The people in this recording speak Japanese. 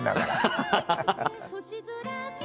ハハハハ！